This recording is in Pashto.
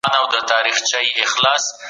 کله ژړا موږ ته د نوي پیل احساس راکوي؟